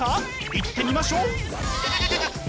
いってみましょう！